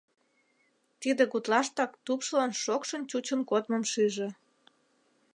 Тиде гутлаштак тупшылан шокшын чучын кодмым шиже.